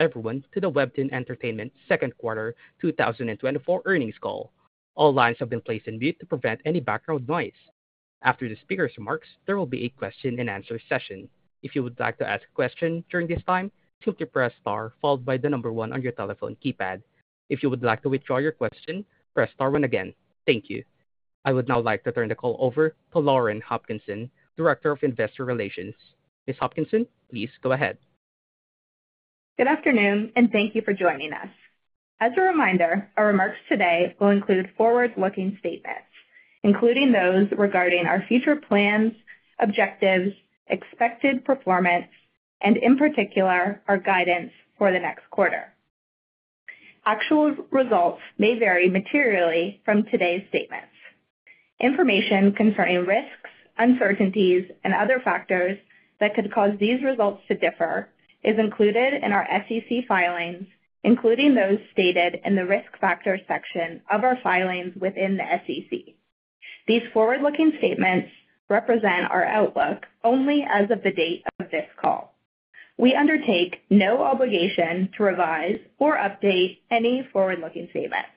Everyone to the WEBTOON Entertainment second quarter 2024 earnings call. All lines have been placed on mute to prevent any background noise. After the speaker's remarks, there will be a question and answer session. If you would like to ask a question during this time, simply press star, followed by the number one on your telephone keypad. If you would like to withdraw your question, press star one again. Thank you. I would now like to turn the call over to Lauren Hopkinson, Director of Investor Relations. Ms. Hopkinson, please go ahead. Good afternoon, and thank you for joining us. As a reminder, our remarks today will include forward-looking statements, including those regarding our future plans, objectives, expected performance, and in particular, our guidance for the next quarter. Actual results may vary materially from today's statements. Information concerning risks, uncertainties, and other factors that could cause these results to differ is included in our SEC filings, including those stated in the Risk Factors section of our filings within the SEC. These forward-looking statements represent our outlook only as of the date of this call. We undertake no obligation to revise or update any forward-looking statements.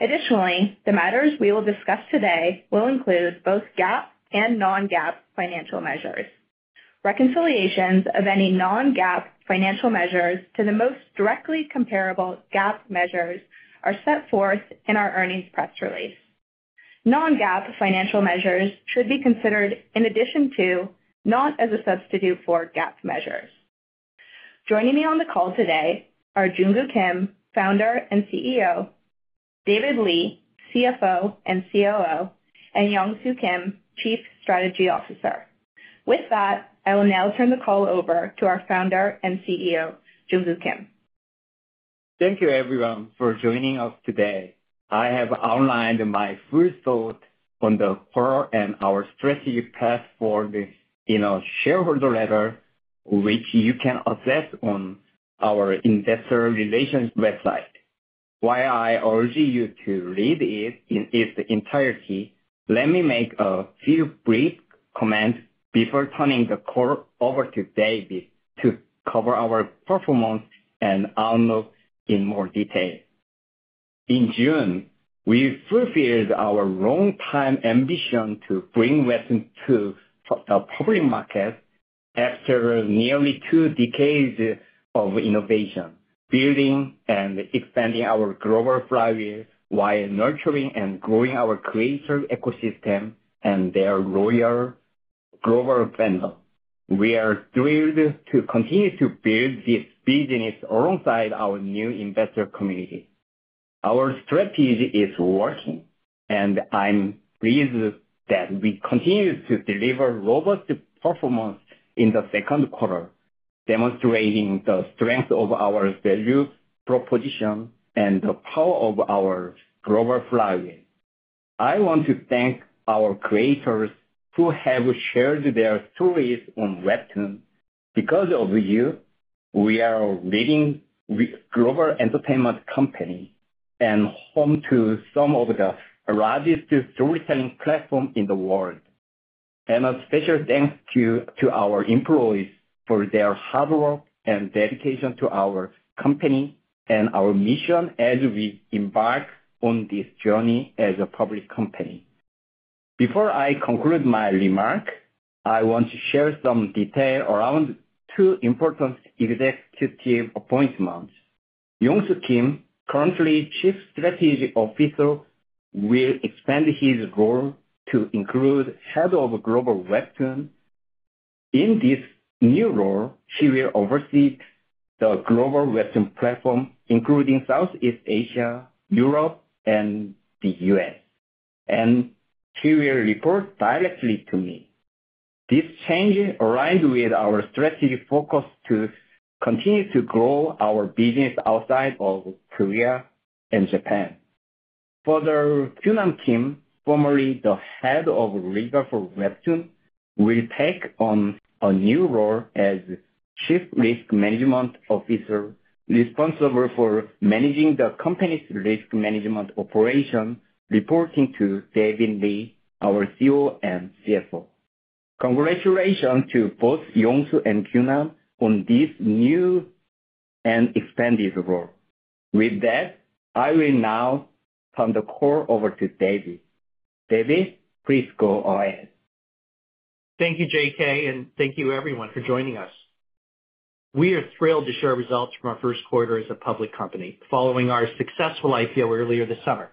Additionally, the matters we will discuss today will include both GAAP and non-GAAP financial measures. Reconciliations of any non-GAAP financial measures to the most directly comparable GAAP measures are set forth in our earnings press release. Non-GAAP financial measures should be considered in addition to, not as a substitute for, GAAP measures. Joining me on the call today are Junkoo Kim, Founder and CEO; David Lee, CFO and COO; and Yongsoo Kim, Chief Strategy Officer. With that, I will now turn the call over to our Founder and CEO, Junkoo Kim. Thank you, everyone, for joining us today. I have outlined my first thought on the quarter and our strategic path forward in a shareholder letter, which you can access on our investor relations website. While I urge you to read it in its entirety, let me make a few brief comments before turning the call over to David to cover our performance and outlook in more detail. In June, we fulfilled our longtime ambition to bring WEBTOON to the public market after nearly two decades of innovation, building and expanding our global flywheel, while nurturing and growing our creative ecosystem and their loyal global fandom. We are thrilled to continue to build this business alongside our new investor community. Our strategy is working, and I'm pleased that we continue to deliver robust performance in the second quarter, demonstrating the strength of our value proposition and the power of our global flywheel. I want to thank our creators who have shared their stories on WEBTOON. Because of you, we are a leading global entertainment company and home to some of the largest storytelling platform in the world. And a special thanks to our employees for their hard work and dedication to our company and our mission as we embark on this journey as a public company. Before I conclude my remark, I want to share some detail around two important executive appointments. Yongsoo Kim, currently Chief Strategy Officer, will expand his role to include Head of Global WEBTOON. In this new role, he will oversee the global WEBTOON platform, including Southeast Asia, Europe, and the US, and he will report directly to me. This change aligns with our strategy focus to continue to grow our business outside of Korea and Japan. Further, Kyunam Kim, formerly the Head of Legal for WEBTOON, will take on a new role as Chief Risk Management Officer, responsible for managing the company's risk management operation, reporting to David Lee, our COO and CFO. Congratulations to both Yongsoo and Kyunam on this new and expanded role. With that, I will now turn the call over to David. David, please go ahead. Thank you, JK, and thank you everyone for joining us. We are thrilled to share results from our first quarter as a public company, following our successful IPO earlier this summer.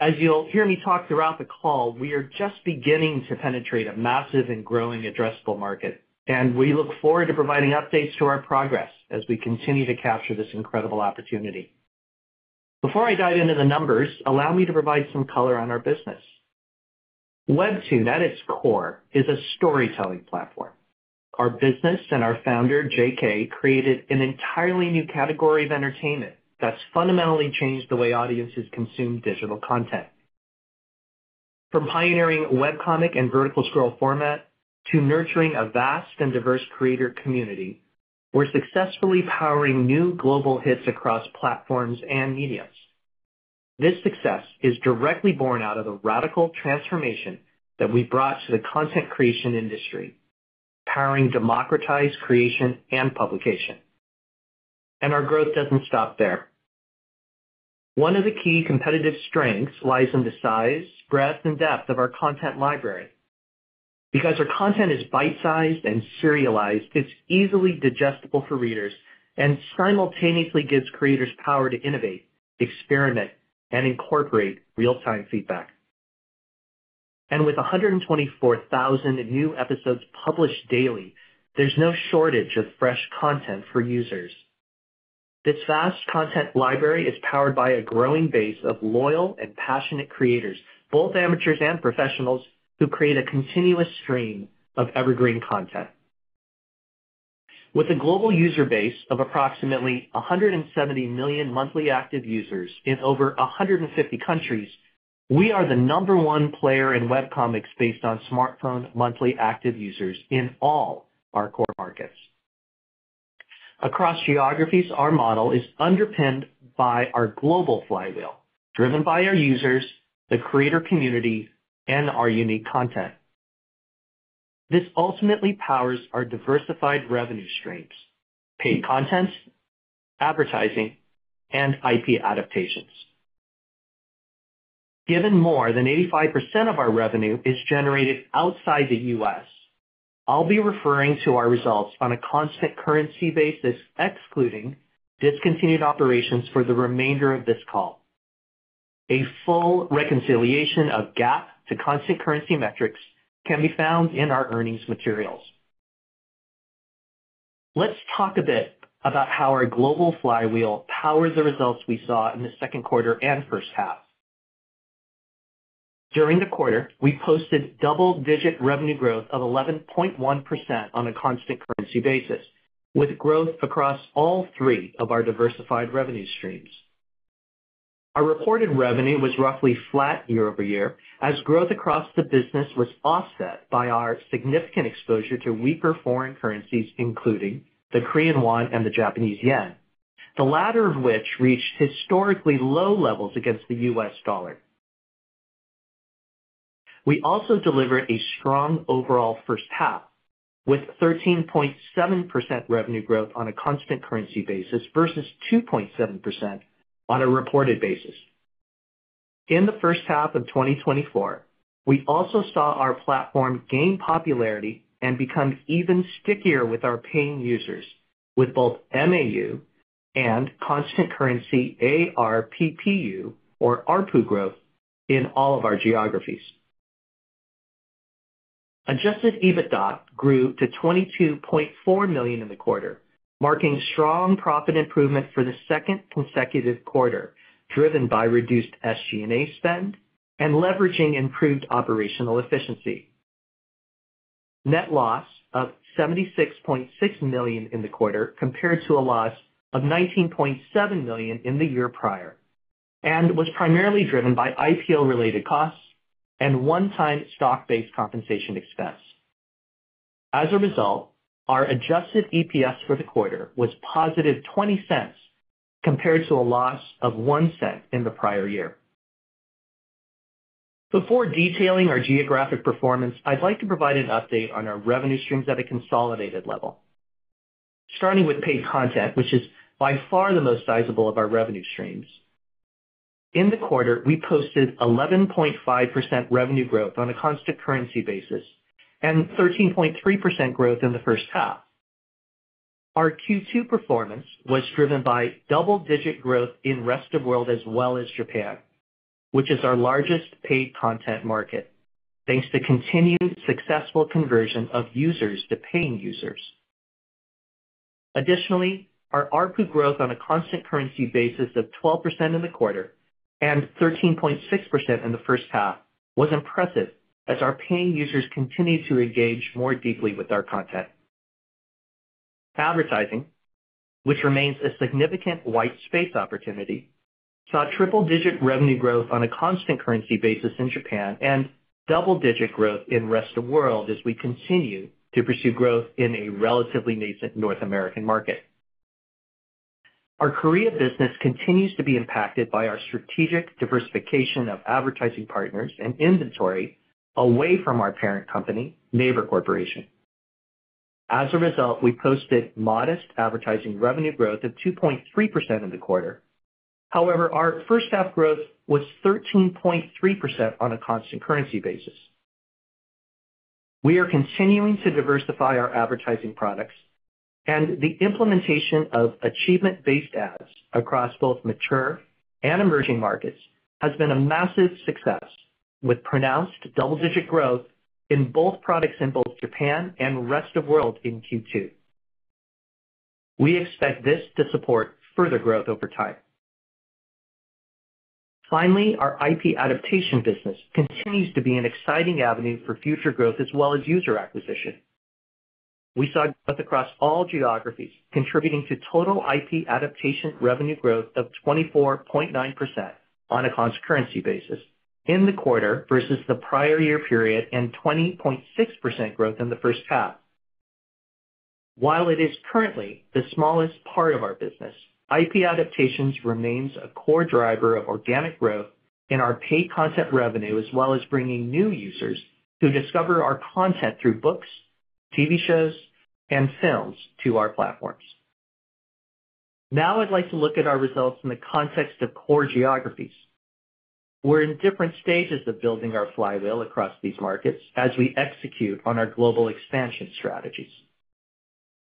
As you'll hear me talk throughout the call, we are just beginning to penetrate a massive and growing addressable market, and we look forward to providing updates to our progress as we continue to capture this incredible opportunity. Before I dive into the numbers, allow me to provide some color on our business. WEBTOON, at its core, is a storytelling platform. Our business and our founder, JK, created an entirely new category of entertainment that's fundamentally changed the way audiences consume digital content. From pioneering webcomic and vertical scroll format to nurturing a vast and diverse creator community, we're successfully powering new global hits across platforms and mediums. This success is directly born out of the radical transformation that we've brought to the content creation industry, powering democratized creation and publication. Our growth doesn't stop there. One of the key competitive strengths lies in the size, breadth, and depth of our content library. Because our content is bite-sized and serialized, it's easily digestible for readers and simultaneously gives creators power to innovate, experiment, and incorporate real-time feedback. With 124,000 new episodes published daily, there's no shortage of fresh content for users. This vast content library is powered by a growing base of loyal and passionate creators, both amateurs and professionals, who create a continuous stream of evergreen content. With a global user base of approximately 170 million monthly active users in over 150 countries, we are the number one player in webcomics based on smartphone monthly active users in all our core markets. Across geographies, our model is underpinned by our global flywheel, driven by our users, the creator community, and our unique content. This ultimately powers our diversified revenue streams, paid content, advertising, and IP adaptations. Given more than 85% of our revenue is generated outside the U.S., I'll be referring to our results on a constant currency basis, excluding discontinued operations for the remainder of this call. A full reconciliation of GAAP to constant currency metrics can be found in our earnings materials. Let's talk a bit about how our global flywheel powers the results we saw in the second quarter and first half. During the quarter, we posted double-digit revenue growth of 11.1% on a constant currency basis, with growth across all three of our diversified revenue streams. Our reported revenue was roughly flat year over year, as growth across the business was offset by our significant exposure to weaker foreign currencies, including the Korean won and the Japanese yen, the latter of which reached historically low levels against the US dollar. We also delivered a strong overall first half, with 13.7% revenue growth on a constant currency basis, versus 2.7% on a reported basis. In the first half of 2024, we also saw our platform gain popularity and become even stickier with our paying users, with both MAU and constant currency, ARPU, or ARPU growth in all of our geographies. Adjusted EBITDA grew to $22.4 million in the quarter, marking strong profit improvement for the second consecutive quarter, driven by reduced SG&A spend and leveraging improved operational efficiency. Net loss of $76.6 million in the quarter, compared to a loss of $19.7 million in the year prior, and was primarily driven by IPO-related costs and one-time stock-based compensation expense. As a result, our adjusted EPS for the quarter was positive $0.20, compared to a loss of $0.01 in the prior year. Before detailing our geographic performance, I'd like to provide an update on our revenue streams at a consolidated level. Starting with paid content, which is by far the most sizable of our revenue streams. In the quarter, we posted 11.5% revenue growth on a constant currency basis and 13.3% growth in the first half. Our Q2 performance was driven by double-digit growth in Rest of World, as well as Japan, which is our largest paid content market, thanks to continued successful conversion of users to paying users. Additionally, our ARPU growth on a constant currency basis of 12% in the quarter and 13.6% in the first half was impressive, as our paying users continued to engage more deeply with our content. Advertising, which remains a significant white space opportunity, saw triple-digit revenue growth on a constant currency basis in Japan and double-digit growth in Rest of World as we continue to pursue growth in a relatively nascent North American market. Our Korea business continues to be impacted by our strategic diversification of advertising partners and inventory away from our parent company, NAVER Corporation. As a result, we posted modest advertising revenue growth of 2.3% in the quarter. However, our first half growth was 13.3% on a constant currency basis. We are continuing to diversify our advertising products, and the implementation of achievement-based ads across both mature and emerging markets has been a massive success, with pronounced double-digit growth in both products in both Japan and Rest of World in Q2. We expect this to support further growth over time. Finally, our IP adaptation business continues to be an exciting avenue for future growth as well as user acquisition. We saw growth across all geographies, contributing to total IP adaptation revenue growth of 24.9% on a constant currency basis in the quarter versus the prior year period, and 20.6% growth in the first half. While it is currently the smallest part of our business, IP adaptations remains a core driver of organic growth in our paid content revenue, as well as bringing new users who discover our content through books, TV shows, and films to our platforms. Now I'd like to look at our results in the context of core geographies. We're in different stages of building our flywheel across these markets as we execute on our global expansion strategies.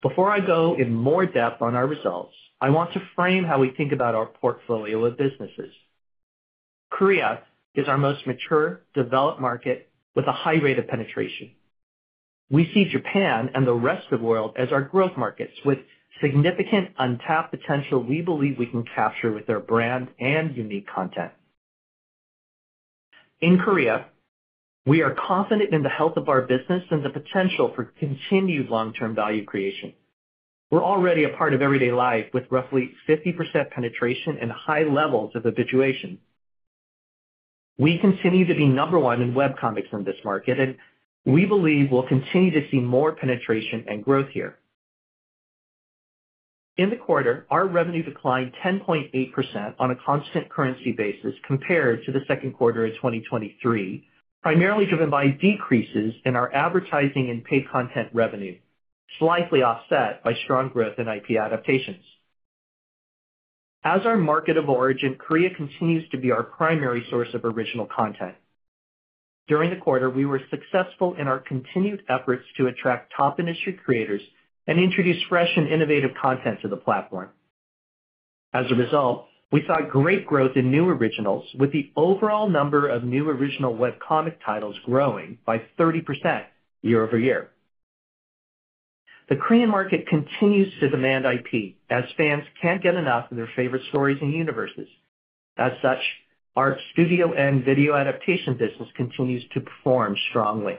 Before I go in more depth on our results, I want to frame how we think about our portfolio of businesses. Korea is our most mature, developed market with a high rate of penetration. We see Japan and the rest of the world as our growth markets, with significant untapped potential we believe we can capture with their brand and unique content. In Korea, we are confident in the health of our business and the potential for continued long-term value creation. We're already a part of everyday life, with roughly 50% penetration and high levels of habituation. We continue to be number one in webcomics in this market, and we believe we'll continue to see more penetration and growth here. In the quarter, our revenue declined 10.8% on a constant currency basis compared to the second quarter of 2023, primarily driven by decreases in our advertising and paid content revenue, slightly offset by strong growth in IP adaptations. As our market of origin, Korea continues to be our primary source of original content. During the quarter, we were successful in our continued efforts to attract top industry creators and introduce fresh and innovative content to the platform. As a result, we saw great growth in new originals, with the overall number of new original webcomic titles growing by 30% year-over-year. The Korean market continues to demand IP, as fans can't get enough of their favorite stories and universes. As such, our studio and video adaptation business continues to perform strongly.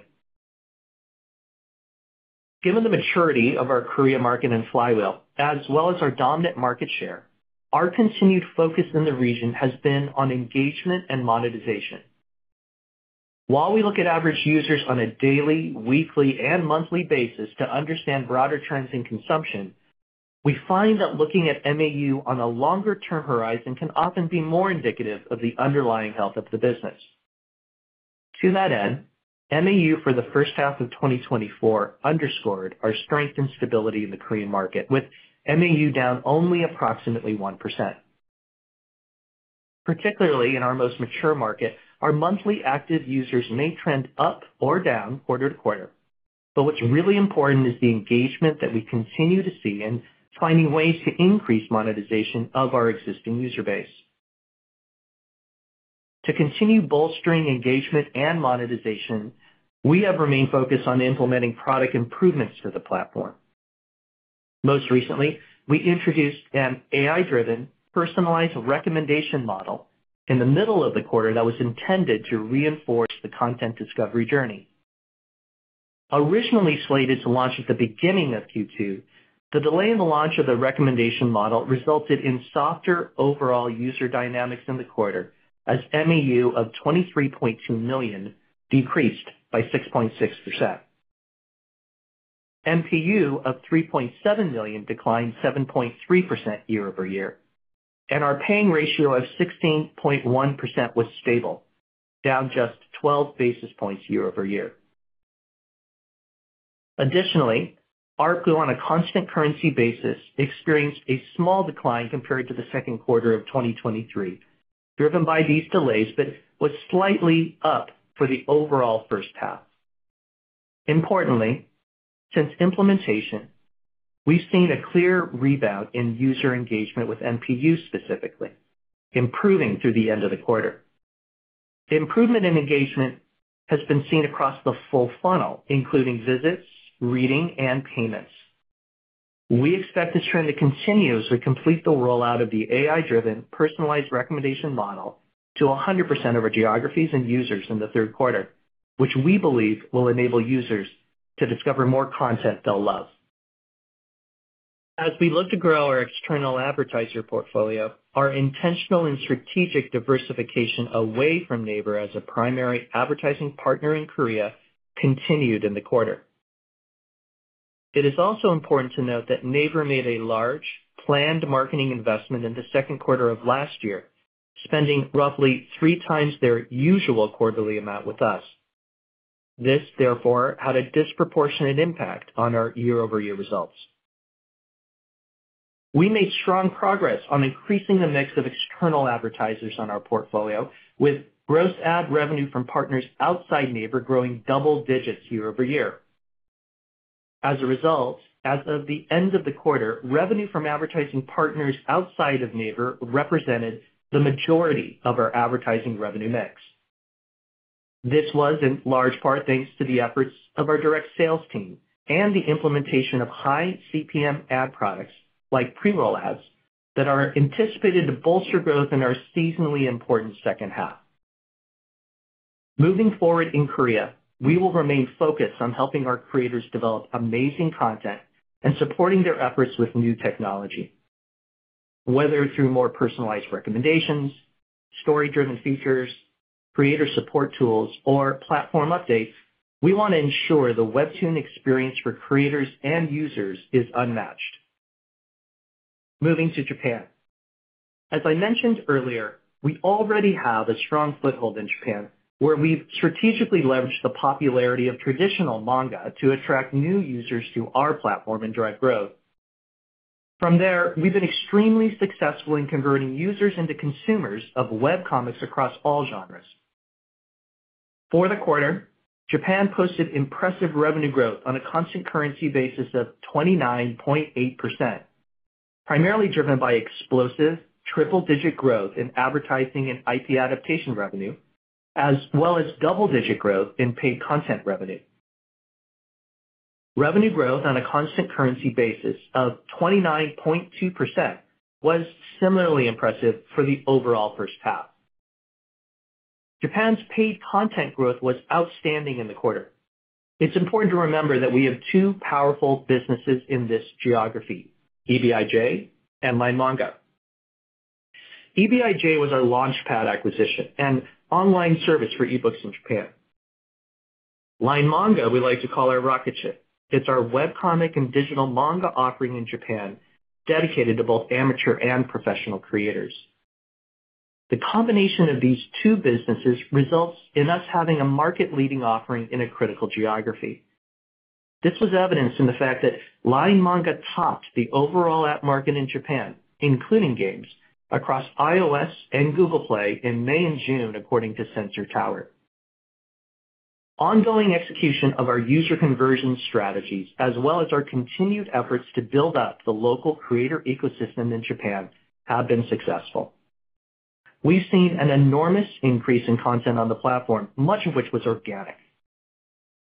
Given the maturity of our Korea market and flywheel, as well as our dominant market share, our continued focus in the region has been on engagement and monetization. While we look at average users on a daily, weekly, and monthly basis to understand broader trends in consumption, we find that looking at MAU on a longer-term horizon can often be more indicative of the underlying health of the business. To that end, MAU for the first half of 2024 underscored our strength and stability in the Korean market, with MAU down only approximately 1%. Particularly in our most mature market, our monthly active users may trend up or down quarter to quarter, but what's really important is the engagement that we continue to see and finding ways to increase monetization of our existing user base. To continue bolstering engagement and monetization, we have remained focused on implementing product improvements to the platform. Most recently, we introduced an AI-driven, personalized recommendation model in the middle of the quarter that was intended to reinforce the content discovery journey. Originally slated to launch at the beginning of Q2, the delay in the launch of the recommendation model resulted in softer overall user dynamics in the quarter, as MAU of 23.2 million decreased by 6.6%. MPU of 3.7 million declined 7.3% year-over-year, and our paying ratio of 16.1% was stable, down just 12 basis points year-over-year. Additionally, ARPU, on a constant currency basis, experienced a small decline compared to the second quarter of 2023, driven by these delays, but was slightly up for the overall first half. Importantly, since implementation, we've seen a clear rebound in user engagement with MPU specifically, improving through the end of the quarter. The improvement in engagement has been seen across the full funnel, including visits, reading, and payments. We expect this trend to continue as we complete the rollout of the AI-driven, personalized recommendation model to 100% of our geographies and users in the third quarter, which we believe will enable users to discover more content they'll love. As we look to grow our external advertiser portfolio, our intentional and strategic diversification away from NAVER as a primary advertising partner in Korea continued in the quarter. It is also important to note that NAVER made a large planned marketing investment in the second quarter of last year, spending roughly three times their usual quarterly amount with us. This, therefore, had a disproportionate impact on our year-over-year results. We made strong progress on increasing the mix of external advertisers on our portfolio, with gross ad revenue from partners outside NAVER growing double digits year over year. As a result, as of the end of the quarter, revenue from advertising partners outside of NAVER represented the majority of our advertising revenue mix. This was in large part thanks to the efforts of our direct sales team and the implementation of high CPM ad products, like pre-roll ads, that are anticipated to bolster growth in our seasonally important second half. Moving forward in Korea, we will remain focused on helping our creators develop amazing content and supporting their efforts with new technology, whether through more personalized recommendations, story-driven features, creator support tools, or platform updates, we want to ensure the WEBTOON experience for creators and users is unmatched. Moving to Japan. As I mentioned earlier, we already have a strong foothold in Japan, where we've strategically leveraged the popularity of traditional manga to attract new users to our platform and drive growth. From there, we've been extremely successful in converting users into consumers of webcomics across all genres. For the quarter, Japan posted impressive revenue growth on a constant currency basis of 29.8%, primarily driven by explosive triple-digit growth in advertising and IP adaptation revenue, as well as double-digit growth in paid content revenue. Revenue growth on a constant currency basis of 29.2% was similarly impressive for the overall first half. Japan's paid content growth was outstanding in the quarter. It's important to remember that we have two powerful businesses in this geography, EBIJ and LINE Manga. EBIJ was our launchpad acquisition, an online service for e-books in Japan. LINE Manga, we like to call our rocket ship. It's our webcomic and digital manga offering in Japan, dedicated to both amateur and professional creators. The combination of these two businesses results in us having a market-leading offering in a critical geography. This was evidenced in the fact that LINE Manga topped the overall app market in Japan, including games, across iOS and Google Play in May and June, according to Sensor Tower. Ongoing execution of our user conversion strategies, as well as our continued efforts to build up the local creator ecosystem in Japan, have been successful. We've seen an enormous increase in content on the platform, much of which was organic.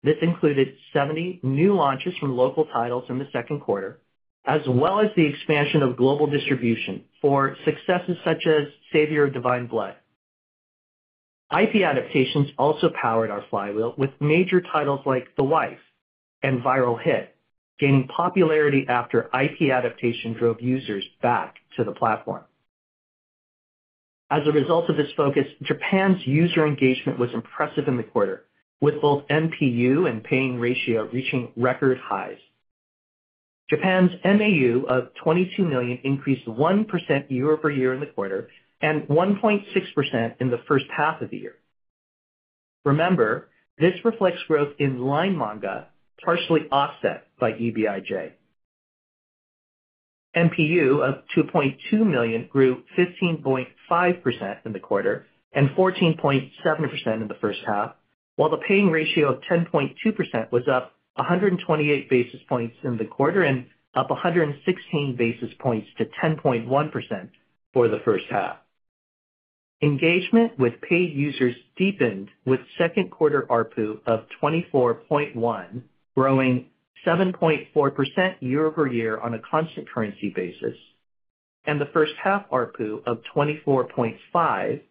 This included 70 new launches from local titles in the second quarter, as well as the expansion of global distribution for successes such as Savior of Divine Blood. IP adaptations also powered our flywheel with major titles like The Wife and Viral Hit, gaining popularity after IP adaptation drove users back to the platform. As a result of this focus, Japan's user engagement was impressive in the quarter, with both MPU and Paying Ratio reaching record highs. Japan's MAU of 22 million increased 1% year-over-year in the quarter and 1.6% in the first half of the year. Remember, this reflects growth in LINE Manga, partially offset by EBIJ. MPU of 2.2 million grew 15.5% in the quarter and 14.7% in the first half, while the paying ratio of 10.2% was up 128 basis points in the quarter and up 116 basis points to 10.1% for the first half. Engagement with paid users deepened, with second quarter ARPU of $24.1, growing 7.4% year-over-year on a constant currency basis, and the first half ARPU of $24.5,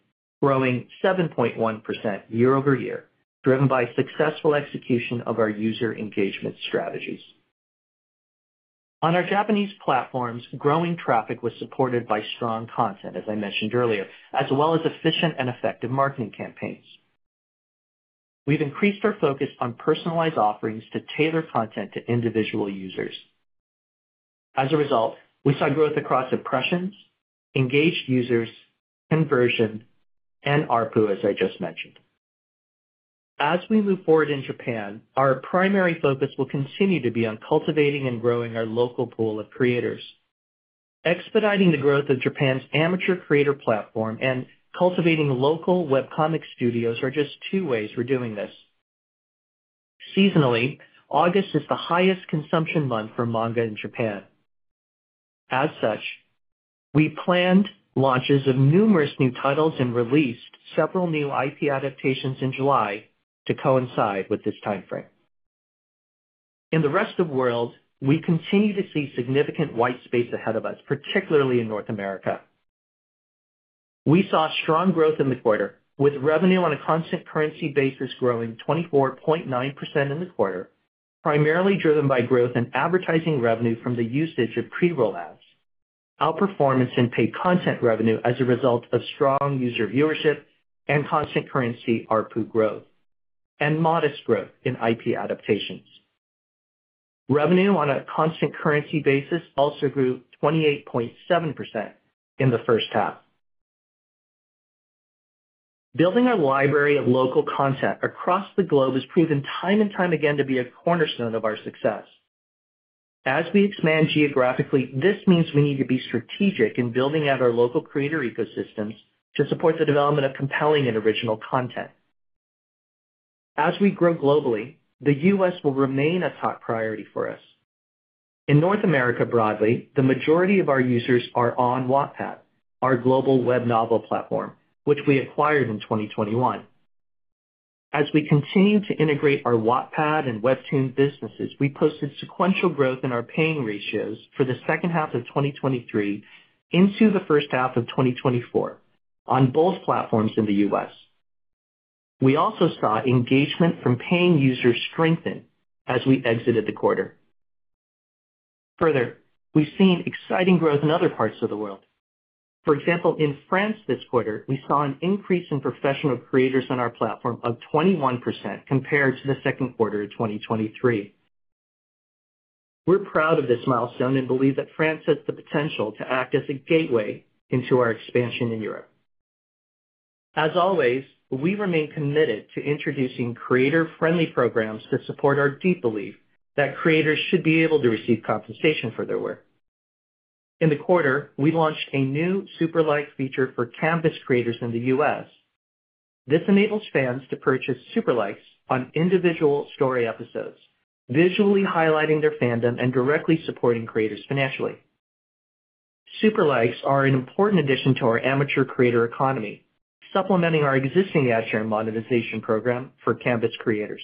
growing 7.1% year-over-year, driven by successful execution of our user engagement strategies. On our Japanese platforms, growing traffic was supported by strong content, as I mentioned earlier, as well as efficient and effective marketing campaigns. We've increased our focus on personalized offerings to tailor content to individual users. As a result, we saw growth across impressions, engaged users, conversion, and ARPU, as I just mentioned. As we move forward in Japan, our primary focus will continue to be on cultivating and growing our local pool of creators. Expediting the growth of Japan's amateur creator platform and cultivating local webcomic studios are just two ways we're doing this. Seasonally, August is the highest consumption month for manga in Japan. As such, we planned launches of numerous new titles and released several new IP adaptations in July to coincide with this time frame. In the Rest of World, we continue to see significant white space ahead of us, particularly in North America. We saw strong growth in the quarter, with revenue on a constant currency basis growing 24.9% in the quarter, primarily driven by growth in advertising revenue from the usage of pre-roll ads, outperformance in paid content revenue as a result of strong user viewership and constant currency ARPU growth, and modest growth in IP adaptations. Revenue on a constant currency basis also grew 28.7% in the first half. Building a library of local content across the globe has proven time and time again to be a cornerstone of our success. As we expand geographically, this means we need to be strategic in building out our local creator ecosystems to support the development of compelling and original content. As we grow globally, the U.S. will remain a top priority for us. In North America, broadly, the majority of our users are on Wattpad, our global web novel platform, which we acquired in 2021. As we continue to integrate our Wattpad and WEBTOON businesses, we posted sequential growth in our paying ratios for the second half of 2023 into the first half of 2024 on both platforms in the U.S. We also saw engagement from paying users strengthen as we exited the quarter. Further, we've seen exciting growth in other parts of the world. For example, in France this quarter, we saw an increase in professional creators on our platform of 21% compared to the second quarter of 2023. We're proud of this milestone and believe that France has the potential to act as a gateway into our expansion in Europe. As always, we remain committed to introducing creator-friendly programs that support our deep belief that creators should be able to receive compensation for their work. In the quarter, we launched a new Super Likes feature for Canvas creators in the U.S. This enables fans to purchase Super Likes on individual story episodes, visually highlighting their fandom and directly supporting creators financially. Super Likes are an important addition to our amateur creator economy, supplementing our existing ad share and monetization program for Canvas creators.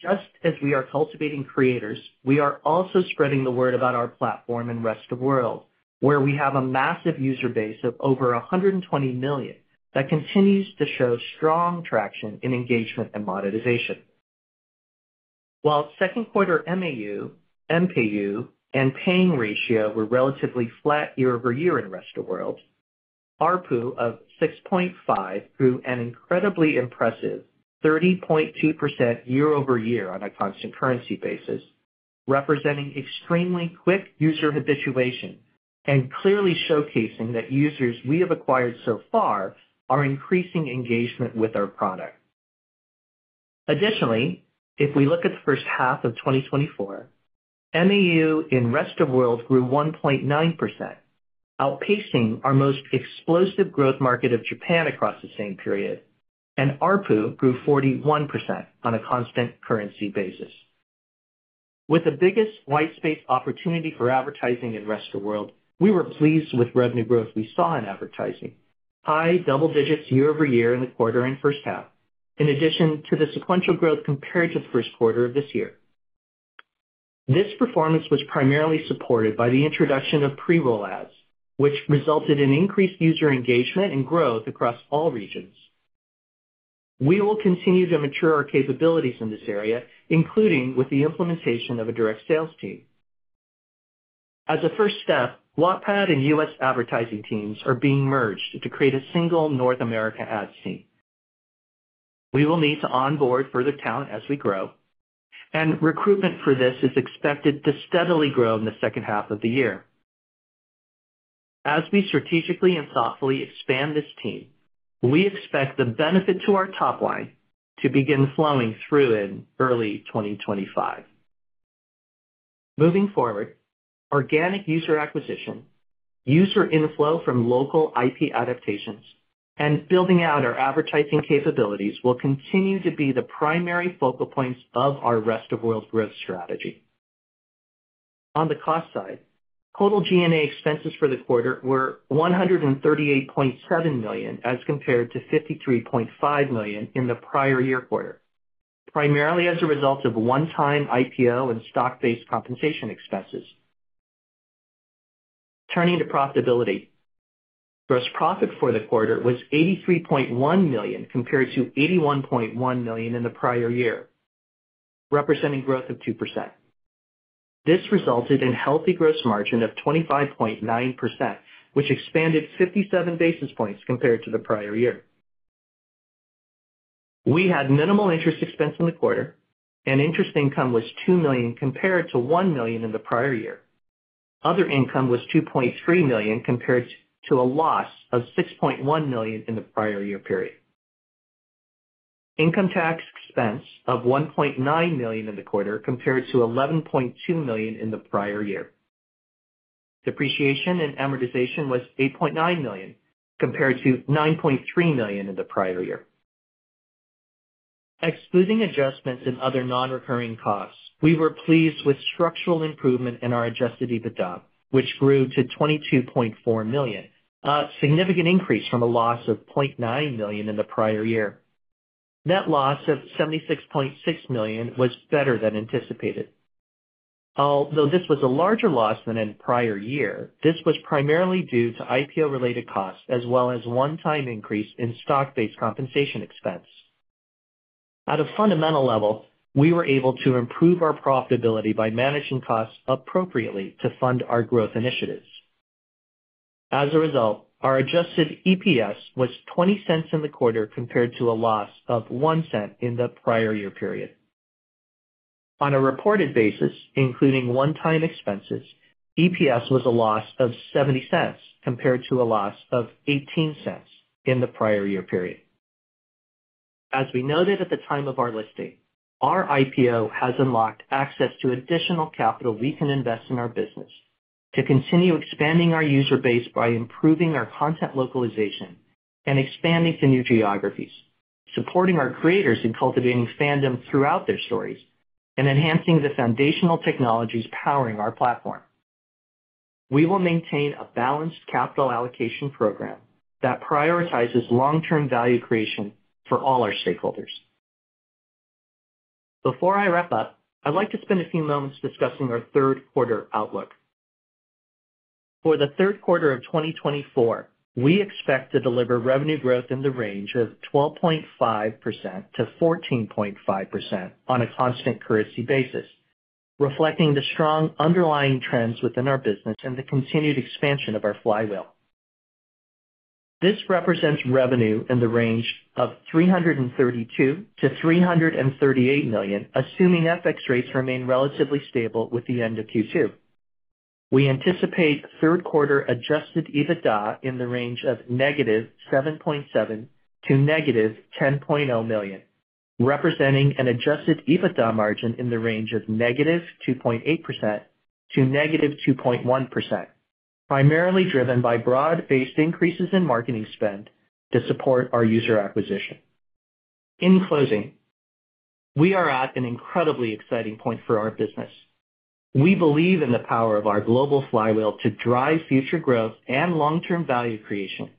Just as we are cultivating creators, we are also spreading the word about our platform in Rest of World, where we have a massive user base of over 120 million that continues to show strong traction in engagement and monetization. While second quarter MAU, MPU, and paying ratio were relatively flat year-over-year in Rest of World, ARPU of 6.5 grew an incredibly impressive 30.2% year-over-year on a constant currency basis, representing extremely quick user habituation and clearly showcasing that users we have acquired so far are increasing engagement with our product. Additionally, if we look at the first half of 2024, MAU in Rest of World grew 1.9%, outpacing our most explosive growth market of Japan across the same period, and ARPU grew 41% on a constant currency basis. With the biggest white space opportunity for advertising in Rest of World, we were pleased with revenue growth we saw in advertising, high double digits year-over-year in the quarter and first half, in addition to the sequential growth compared to the first quarter of this year. This performance was primarily supported by the introduction of pre-roll ads, which resulted in increased user engagement and growth across all regions. We will continue to mature our capabilities in this area, including with the implementation of a direct sales team. As a first step, Wattpad and U.S. advertising teams are being merged to create a single North America ad team. We will need to onboard further talent as we grow, and recruitment for this is expected to steadily grow in the second half of the year. As we strategically and thoughtfully expand this team, we expect the benefit to our top line to begin flowing through in early 2025. Moving forward, organic user acquisition, user inflow from local IP adaptations, and building out our advertising capabilities will continue to be the primary focal points of our Rest of World growth strategy. On the cost side, total G&A expenses for the quarter were $138.7 million, as compared to $53.5 million in the prior year quarter, primarily as a result of one-time IPO and stock-based compensation expenses. Turning to profitability. Gross profit for the quarter was $83.1 million, compared to $81.1 million in the prior year, representing growth of 2%. This resulted in healthy gross margin of 25.9%, which expanded 57 basis points compared to the prior year. We had minimal interest expense in the quarter, and interest income was $2 million, compared to $1 million in the prior year. Other income was $2.3 million, compared to a loss of $6.1 million in the prior year period. Income tax expense of $1.9 million in the quarter, compared to $11.2 million in the prior year. Depreciation and amortization was $8.9 million, compared to $9.3 million in the prior year. Excluding adjustments in other non-recurring costs, we were pleased with structural improvement in our Adjusted EBITDA, which grew to $22.4 million, a significant increase from a loss of $0.9 million in the prior year. Net loss of $76.6 million was better than anticipated. Although this was a larger loss than in prior year, this was primarily due to IPO-related costs as well as one-time increase in stock-based compensation expense. At a fundamental level, we were able to improve our profitability by managing costs appropriately to fund our growth initiatives. As a result, our adjusted EPS was $0.20 in the quarter, compared to a loss of $0.01 in the prior year period. On a reported basis, including one-time expenses, EPS was a loss of $0.70, compared to a loss of $0.18 in the prior year period. As we noted at the time of our listing, our IPO has unlocked access to additional capital we can invest in our business to continue expanding our user base by improving our content localization and expanding to new geographies, supporting our creators in cultivating fandom throughout their stories, and enhancing the foundational technologies powering our platform. We will maintain a balanced capital allocation program that prioritizes long-term value creation for all our stakeholders. Before I wrap up, I'd like to spend a few moments discussing our third quarter outlook. For the third quarter of 2024, we expect to deliver revenue growth in the range of 12.5%-14.5% on a constant currency basis, reflecting the strong underlying trends within our business and the continued expansion of our flywheel. This represents revenue in the range of $332 million-$338 million, assuming FX rates remain relatively stable with the end of Q2. We anticipate third quarter Adjusted EBITDA in the range of -$7.7 million to -$10.0 million, representing an Adjusted EBITDA margin in the range of -2.8% to -2.1%, primarily driven by broad-based increases in marketing spend to support our user acquisition. In closing, we are at an incredibly exciting point for our business. We believe in the power of our global flywheel to drive future growth and long-term value creation,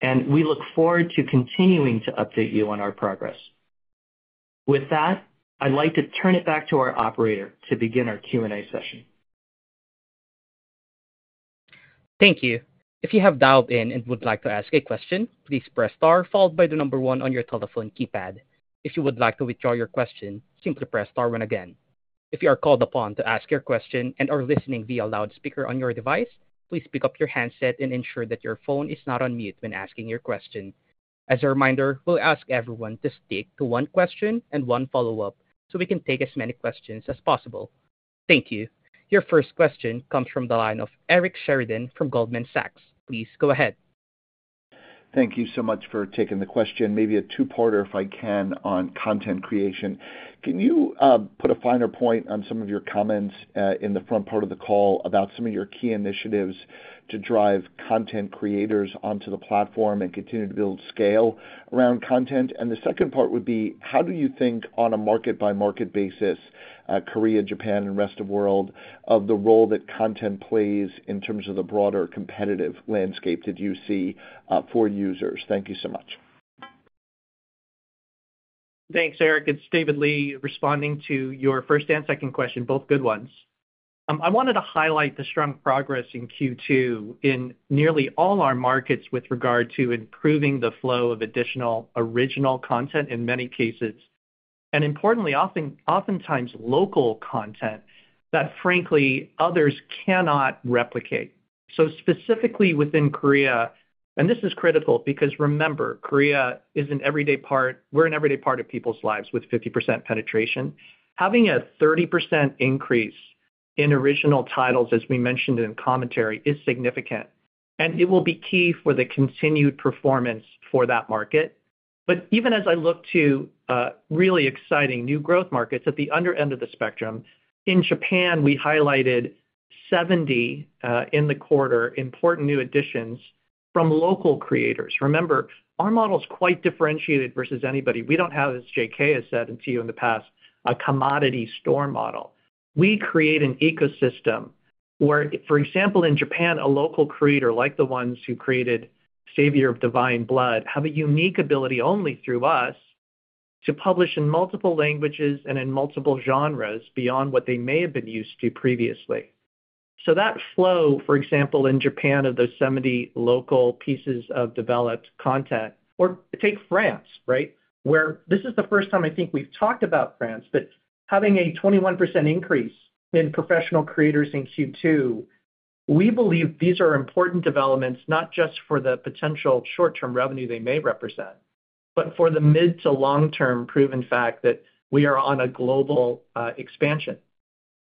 and we look forward to continuing to update you on our progress. With that, I'd like to turn it back to our operator to begin our Q&A session. Thank you. If you have dialed in and would like to ask a question, please press Star, followed by the number one on your telephone keypad. If you would like to withdraw your question, simply press Star one again. If you are called upon to ask your question and are listening via loudspeaker on your device, please pick up your handset and ensure that your phone is not on mute when asking your question. As a reminder, we'll ask everyone to stick to one question and one follow-up so we can take as many questions as possible. Thank you. Your first question comes from the line of Eric Sheridan from Goldman Sachs. Please go ahead. Thank you so much for taking the question. Maybe a two-parter, if I can, on content creation. Can you put a finer point on some of your comments in the front part of the call about some of your key initiatives to drive content creators onto the platform and continue to build scale around content? And the second part would be: how do you think on a market-by-market basis, Korea, Japan, and Rest of World, of the role that content plays in terms of the broader competitive landscape that you see for users? Thank you so much. Thanks, Eric. It's David Lee, responding to your first and second question, both good ones. I wanted to highlight the strong progress in Q2 in nearly all our markets with regard to improving the flow of additional original content in many cases, and importantly, oftentimes local content that, frankly, others cannot replicate. So specifically within Korea, and this is critical because remember, Korea is an everyday part—we're an everyday part of people's lives with 50% penetration. Having a 30% increase in original titles, as we mentioned in commentary, is significant, and it will be key for the continued performance for that market. But even as I look to really exciting new growth markets at the under end of the spectrum, in Japan, we highlighted 70, in the quarter, important new additions from local creators. Remember, our model is quite differentiated versus anybody. We don't have, as JK has said to you in the past, a commodity store model. We create an ecosystem where, for example, in Japan, a local creator, like the ones who created Savior of Divine Blood, have a unique ability only through us to publish in multiple languages and in multiple genres beyond what they may have been used to previously. So that flow, for example, in Japan, of those 70 local pieces of developed content, or take France, right? Where this is the first time I think we've talked about France, but having a 21% increase in professional creators in Q2, we believe these are important developments, not just for the potential short-term revenue they may represent, but for the mid to long-term proven fact that we are on a global expansion.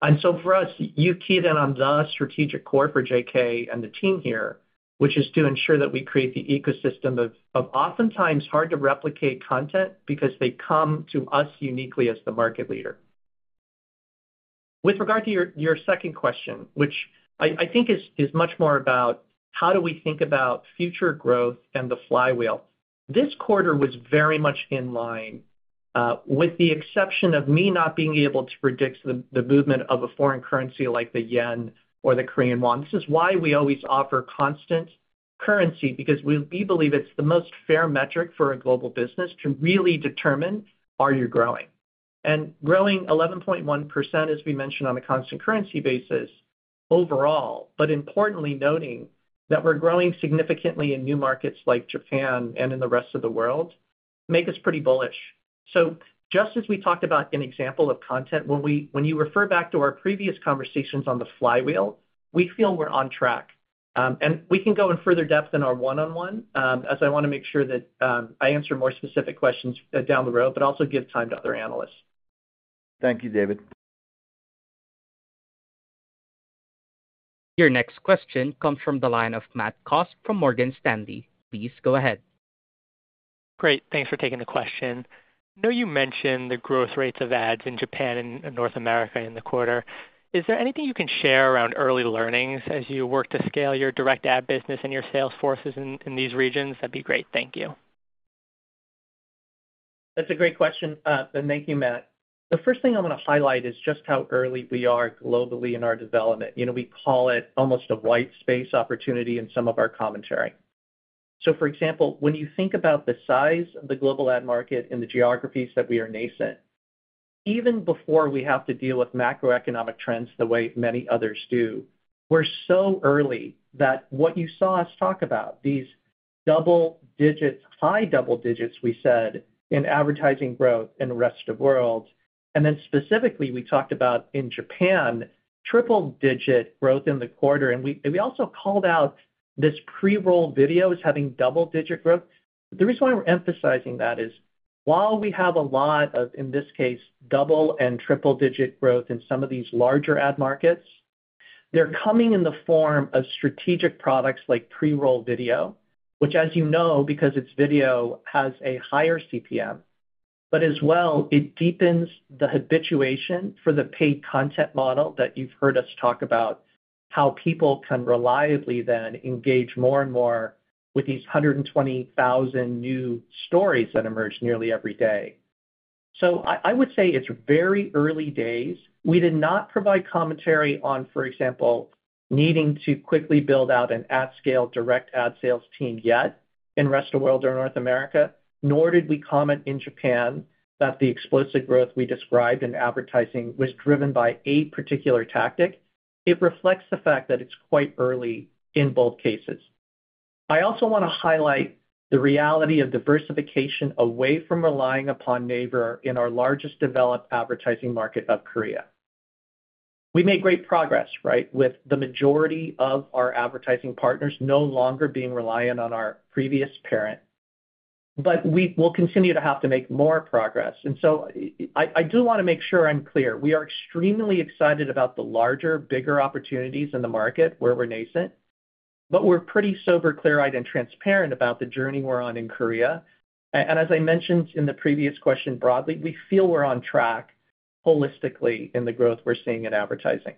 And so for us, you keyed in on the strategic core for JK and the team here, which is to ensure that we create the ecosystem of oftentimes hard to replicate content because they come to us uniquely as the market leader. With regard to your second question, which I think is much more about how do we think about future growth and the flywheel. This quarter was very much in line, with the exception of me not being able to predict the movement of a foreign currency like the Japanese yen or the Korean won. This is why we always offer constant currency, because we believe it's the most fair metric for a global business to really determine, are you growing? Growing 11.1%, as we mentioned, on a constant currency basis overall, but importantly, noting that we're growing significantly in new markets like Japan and in the rest of the world, make us pretty bullish. So just as we talked about an example of content, when you refer back to our previous conversations on the flywheel, we feel we're on track. And we can go in further depth in our one-on-one, as I wanna make sure that, I answer more specific questions down the road, but also give time to other analysts. Thank you, David. Your next question comes from the line of Matt Cost from Morgan Stanley. Please go ahead. Great. Thanks for taking the question. I know you mentioned the growth rates of ads in Japan and North America in the quarter. Is there anything you can share around early learnings as you work to scale your direct ad business and your sales forces in these regions? That'd be great. Thank you. That's a great question, and thank you, Matt. The first thing I want to highlight is just how early we are globally in our development. You know, we call it almost a white space opportunity in some of our commentary. So, for example, when you think about the size of the global ad market and the geographies that we are nascent, even before we have to deal with macroeconomic trends the way many others do, we're so early that what you saw us talk about, these double digits, high double digits, we said, in advertising growth in the Rest of World, and then specifically, we talked about in Japan, triple-digit growth in the quarter. And we, and we also called out this pre-roll video as having double-digit growth. The reason why we're emphasizing that is while we have a lot of, in this case, double and triple digit growth in some of these larger ad markets, they're coming in the form of strategic products like pre-roll video, which, as you know, because it's video, has a higher CPM, but as well, it deepens the habituation for the paid content model that you've heard us talk about, how people can reliably then engage more and more with these 120,000 new stories that emerge nearly every day. So I would say it's very early days. We did not provide commentary on, for example, needing to quickly build out an ad scale direct ad sales team yet in Rest of World or North America, nor did we comment in Japan that the explicit growth we described in advertising was driven by a particular tactic. It reflects the fact that it's quite early in both cases. I also wanna highlight the reality of diversification away from relying upon NAVER in our largest developed advertising market of Korea. We made great progress, right, with the majority of our advertising partners no longer being reliant on our previous parent, but we will continue to have to make more progress. And so I, I do wanna make sure I'm clear. We are extremely excited about the larger, bigger opportunities in the market where we're nascent, but we're pretty sober, clear-eyed, and transparent about the journey we're on in Korea. And as I mentioned in the previous question, broadly, we feel we're on track holistically in the growth we're seeing in advertising.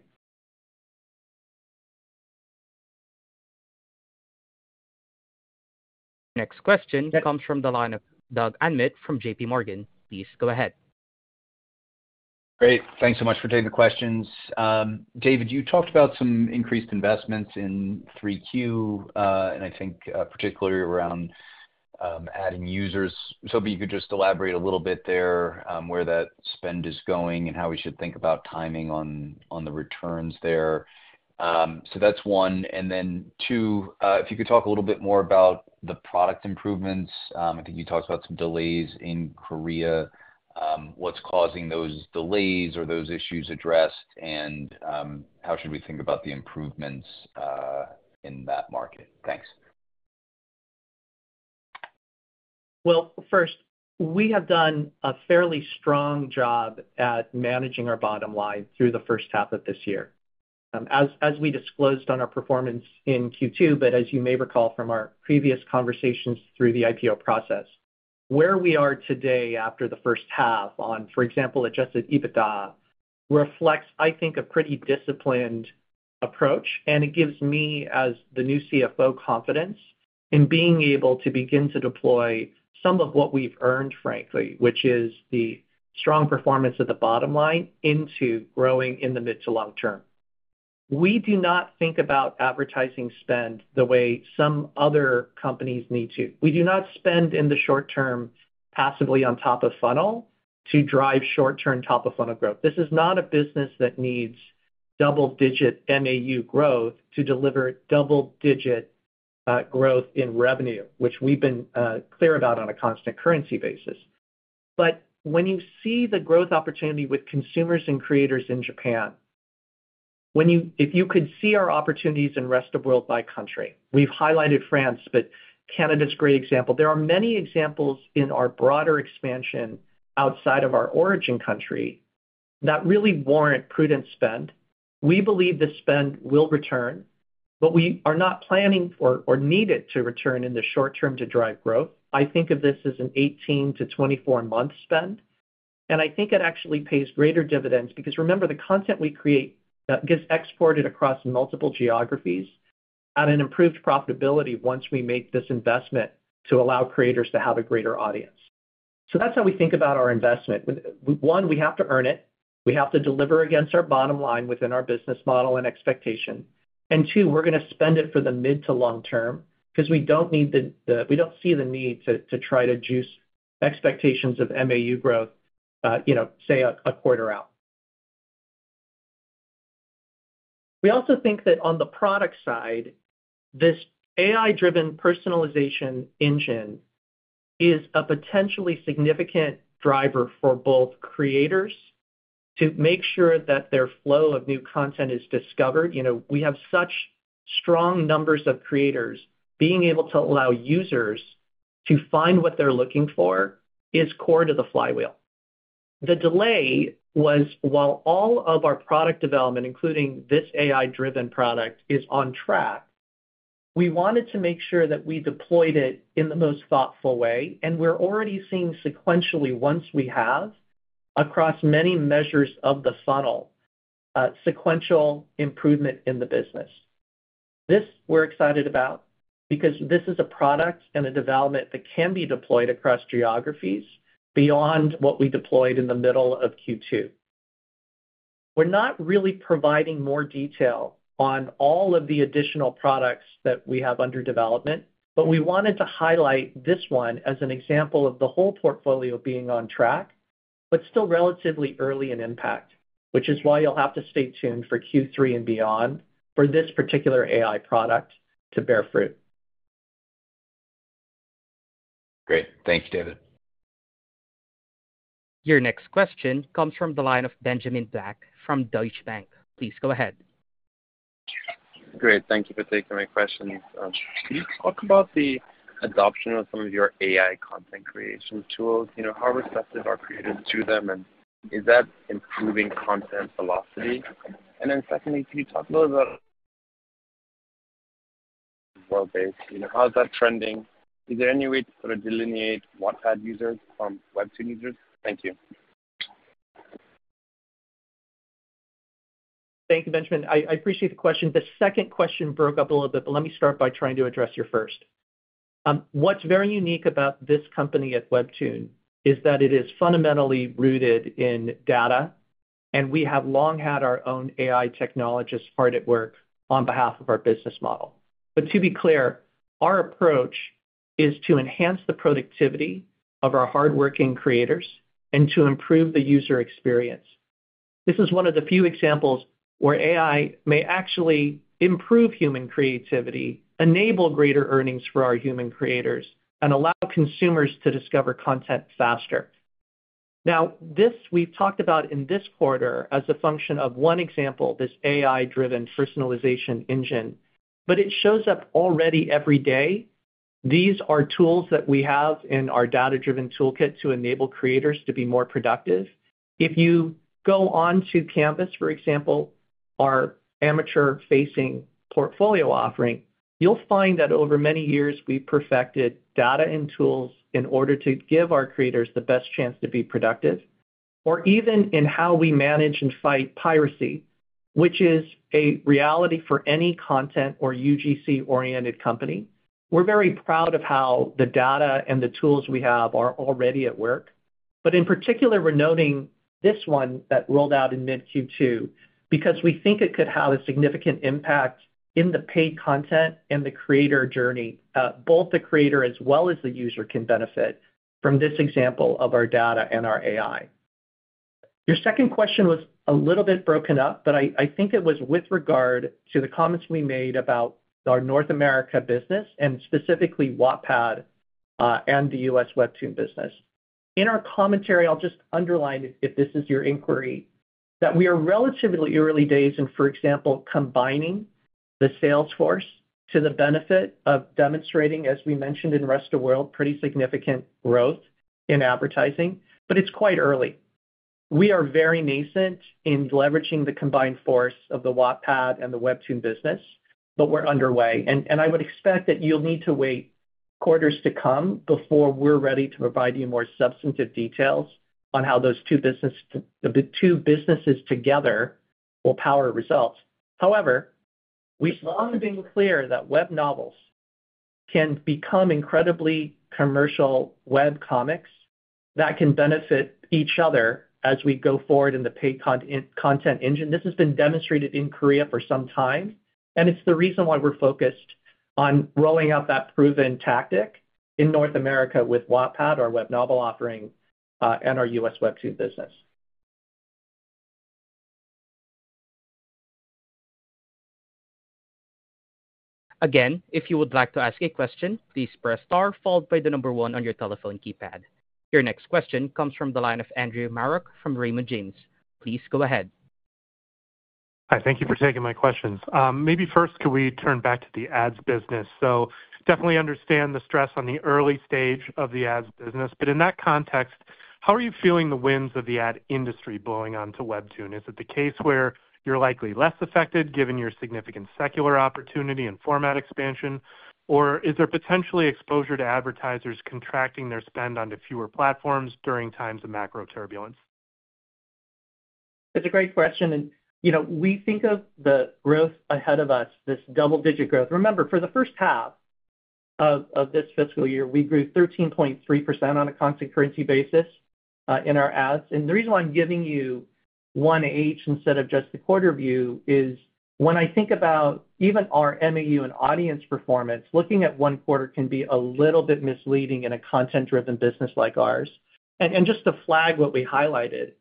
Next question comes from the line of Doug Anmuth from JPMorgan. Please go ahead. Great. Thanks so much for taking the questions. David, you talked about some increased investments in 3Q, and I think particularly around adding users. So if you could just elaborate a little bit there, where that spend is going and how we should think about timing on the returns there. So that's one, and then two, if you could talk a little bit more about the product improvements. I think you talked about some delays in Korea. What's causing those delays or those issues addressed? And how should we think about the improvements in that market? Thanks. Well, first, we have done a fairly strong job at managing our bottom line through the first half of this year. As we disclosed on our performance in Q2, but as you may recall from our previous conversations through the IPO process, where we are today after the first half on, for example, Adjusted EBITDA, reflects, I think, a pretty disciplined approach, and it gives me, as the new CFO, confidence in being able to begin to deploy some of what we've earned, frankly, which is the strong performance at the bottom line into growing in the mid to long term. We do not think about advertising spend the way some other companies need to. We do not spend in the short term, passively on top of funnel to drive short-term top of funnel growth. This is not a business that needs double-digit MAU growth to deliver double-digit growth in revenue, which we've been clear about on a constant currency basis. But when you see the growth opportunity with consumers and creators in Japan, if you could see our opportunities in Rest of World by country, we've highlighted France, but Canada's a great example. There are many examples in our broader expansion outside of our origin country that really warrant prudent spend. We believe the spend will return, but we are not planning for or need it to return in the short term to drive growth. I think of this as an 18- to 24-month spend, and I think it actually pays greater dividends because remember, the content we create gets exported across multiple geographies at an improved profitability once we make this investment to allow creators to have a greater audience. So that's how we think about our investment. One, we have to earn it. We have to deliver against our bottom line within our business model and expectation. And two, we're gonna spend it for the mid to long term because we don't see the need to try to juice expectations of MAU growth, you know, say, a quarter out. We also think that on the product side, this AI-driven personalization engine is a potentially significant driver for both creators to make sure that their flow of new content is discovered. You know, we have such strong numbers of creators. Being able to allow users to find what they're looking for is core to the flywheel. The delay was, while all of our product development, including this AI-driven product, is on track, we wanted to make sure that we deployed it in the most thoughtful way, and we're already seeing sequentially, once we have, across many measures of the funnel, sequential improvement in the business. This we're excited about because this is a product and a development that can be deployed across geographies beyond what we deployed in the middle of Q2. We're not really providing more detail on all of the additional products that we have under development, but we wanted to highlight this one as an example of the whole portfolio being on track, but still relatively early in impact, which is why you'll have to stay tuned for Q3 and beyond for this particular AI product to bear fruit. Great. Thank you, David. Your next question comes from the line of Benjamin Black from Deutsche Bank. Please go ahead. Great. Thank you for taking my questions. Can you talk about the adoption of some of your AI content creation tools? You know, how receptive are creators to them, and is that improving content velocity? And then secondly, can you talk a little about world base? You know, how's that trending? Is there any way to sort of delineate Wattpad users from WEBTOON users? Thank you. Thank you, Benjamin. I appreciate the question. The second question broke up a little bit, but let me start by trying to address your first. What's very unique about this company at WEBTOON is that it is fundamentally rooted in data, and we have long had our own AI technologists hard at work on behalf of our business model. But to be clear, our approach is to enhance the productivity of our hardworking creators and to improve the user experience. This is one of the few examples where AI may actually improve human creativity, enable greater earnings for our human creators, and allow consumers to discover content faster. Now, this, we've talked about in this quarter as a function of one example, this AI-driven personalization engine, but it shows up already every day. These are tools that we have in our data-driven toolkit to enable creators to be more productive. If you go on to Canvas, for example, our amateur-facing portfolio offering, you'll find that over many years, we've perfected data and tools in order to give our creators the best chance to be productive, or even in how we manage and fight piracy, which is a reality for any content or UGC-oriented company. We're very proud of how the data and the tools we have are already at work. But in particular, we're noting this one that rolled out in mid-Q2 because we think it could have a significant impact in the paid content and the creator journey. Both the creator as well as the user can benefit from this example of our data and our AI. Your second question was a little bit broken up, but I think it was with regard to the comments we made about our North America business, and specifically Wattpad and the U.S. WEBTOON business. In our commentary, I'll just underline, if this is your inquiry, that we are relatively early days in, for example, combining the sales force to the benefit of demonstrating, as we mentioned in Rest of World, pretty significant growth in advertising, but it's quite early. We are very nascent in leveraging the combined force of the Wattpad and the WEBTOON business, but we're underway, and I would expect that you'll need to wait quarters to come before we're ready to provide you more substantive details on how those two businesses together will power results. However, we've long been clear that web novels can become incredibly commercial webcomics that can benefit each other as we go forward in the paid content engine. This has been demonstrated in Korea for some time, and it's the reason why we're focused on rolling out that proven tactic in North America with Wattpad, our web novel offering, and our U.S. WEBTOON business. Again, if you would like to ask a question, please press star followed by the number one on your telephone keypad. Your next question comes from the line of Andrew Marok from Raymond James. Please go ahead. Hi, thank you for taking my questions. Maybe first, could we turn back to the ads business? So definitely understand the stress on the early stage of the ads business, but in that context, how are you feeling the winds of the ad industry blowing onto WEBTOON? Is it the case where you're likely less affected, given your significant secular opportunity and format expansion, or is there potentially exposure to advertisers contracting their spend onto fewer platforms during times of macro turbulence? It's a great question, and, you know, we think of the growth ahead of us, this double-digit growth. Remember, for the first half of this fiscal year, we grew 13.3% on a constant currency basis in our ads. And the reason why I'm giving you 1H instead of just the quarter view is when I think about even our MAU and audience performance, looking at one quarter can be a little bit misleading in a content-driven business like ours. And just to flag what we highlighted,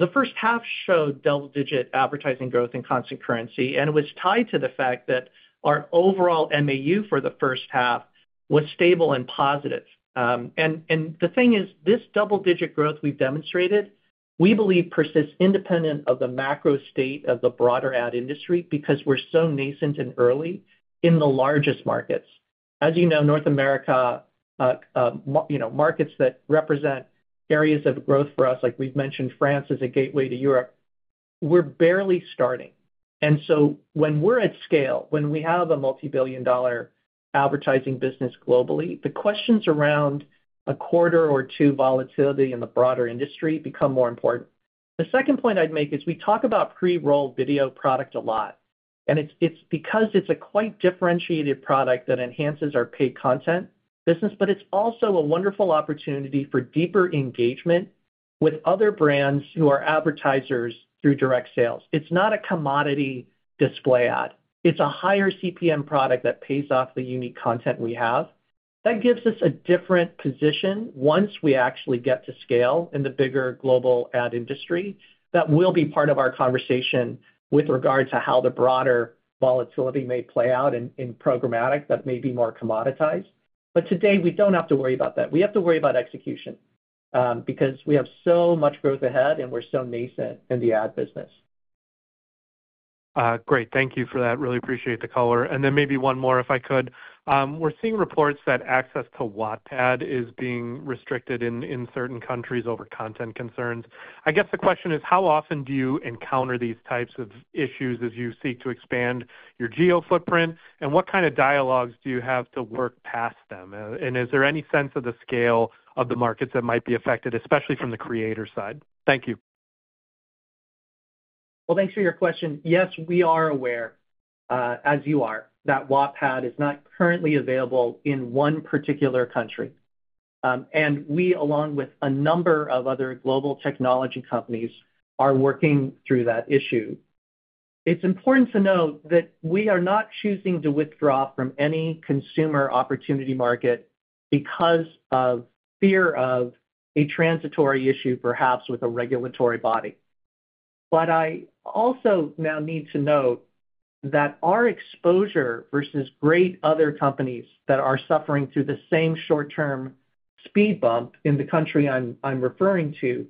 the first half showed double-digit advertising growth in constant currency, and it was tied to the fact that our overall MAU for the first half was stable and positive. The thing is, this double-digit growth we've demonstrated, we believe persists independent of the macro state of the broader ad industry because we're so nascent and early in the largest markets. As you know, North America, you know, markets that represent areas of growth for us, like we've mentioned, France is a gateway to Europe, we're barely starting. And so when we're at scale, when we have a multibillion-dollar advertising business globally, the questions around a quarter or two volatility in the broader industry become more important. The second point I'd make is we talk about pre-roll video product a lot. And it's because it's a quite differentiated product that enhances our paid content business, but it's also a wonderful opportunity for deeper engagement with other brands who are advertisers through direct sales. It's not a commodity display ad. It's a higher CPM product that pays off the unique content we have. That gives us a different position once we actually get to scale in the bigger global ad industry, that will be part of our conversation with regard to how the broader volatility may play out in, in programmatic that may be more commoditized. But today, we don't have to worry about that. We have to worry about execution, because we have so much growth ahead and we're so nascent in the ad business. Great. Thank you for that. Really appreciate the color. And then maybe one more, if I could. We're seeing reports that access to Wattpad is being restricted in, in certain countries over content concerns. I guess the question is, how often do you encounter these types of issues as you seek to expand your geo footprint? And what kind of dialogues do you have to work past them? And is there any sense of the scale of the markets that might be affected, especially from the creator side? Thank you. Well, thanks for your question. Yes, we are aware, as you are, that Wattpad is not currently available in one particular country. And we, along with a number of other global technology companies, are working through that issue. It's important to note that we are not choosing to withdraw from any consumer opportunity market because of fear of a transitory issue, perhaps with a regulatory body. But I also now need to note that our exposure versus great other companies that are suffering through the same short-term speed bump in the country I'm referring to,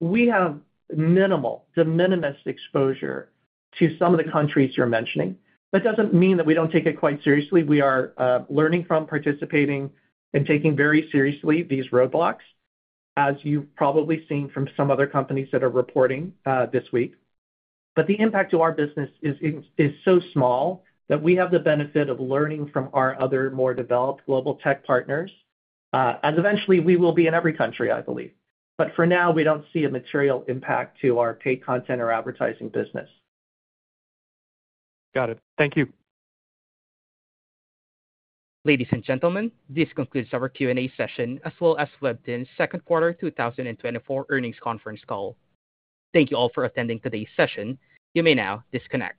we have minimal, de minimis exposure to some of the countries you're mentioning. That doesn't mean that we don't take it quite seriously. We are learning from participating and taking very seriously these roadblocks, as you've probably seen from some other companies that are reporting this week. The impact to our business is so small that we have the benefit of learning from our other more developed global tech partners. Eventually, we will be in every country, I believe. For now, we don't see a material impact to our paid content or advertising business. Got it. Thank you. Ladies and gentlemen, this concludes our Q&A session, as well as WEBTOON Entertainment's second quarter 2024 earnings conference call. Thank you all for attending today's session. You may now disconnect.